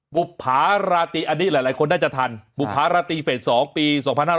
บุภาราตีอันนี้หลายคนน่าจะทันบุภาราตีเฟส๒ปี๒๕๕๙